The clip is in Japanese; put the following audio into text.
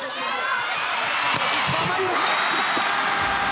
決まった。